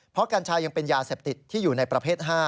เพราะกัญชายังเป็นยาเสพติดที่อยู่ในประเภท๕